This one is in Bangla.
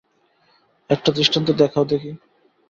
একটা দৃষ্টান্ত দেখাও দেখি।